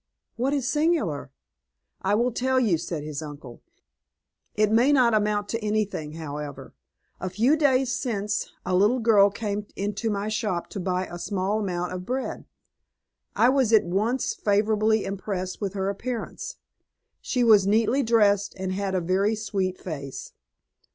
"What is singular!" "I will tell you," said his uncle. "It may not amount to anything, however. A few days since, a little girl came into my shop to buy a small amount of bread. I was at once favorably impressed with her appearance. She was neatly dressed, and had a very sweet face."